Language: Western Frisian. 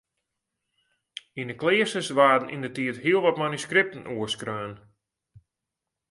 Yn 'e kleasters waarden yndertiid hiel wat manuskripten oerskreaun.